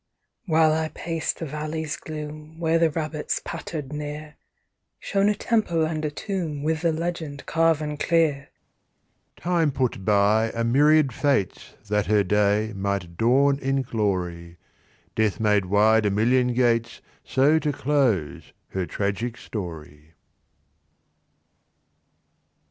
While I paced the valley's gloom Where the rabbits pattered near, Shone a temple and a tomb With the legend carven clear: 'Time put by a myriad fates That her day might dawn in glory. Death made wide a million gates So to close her tragic story.'